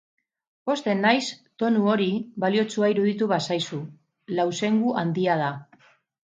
Pozten naiz tonu hori baliotsua iruditu bazaizu, lausengu handia da.